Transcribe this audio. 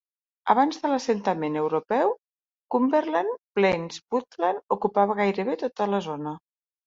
Abans de l'assentament europeu, Cumberland Plains Woodland ocupava gairebé tota la zona.